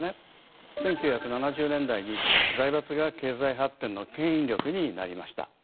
１９７０年代に財閥が経済発展のけん引力になりました。